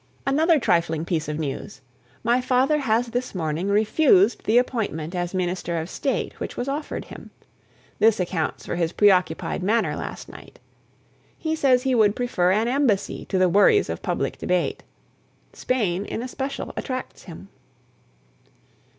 Another trifling piece of news! My father has this morning refused the appointment as Minister of State which was offered him. This accounts for his preoccupied manner last night. He says he would prefer an embassy to the worries of public debate. Spain in especial attracts him.